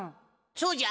そうじゃ！